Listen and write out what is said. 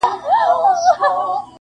په شپږ کلنی کي ولیکی -